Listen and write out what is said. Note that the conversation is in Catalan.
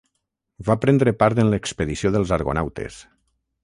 Va prendre part en l'expedició dels argonautes.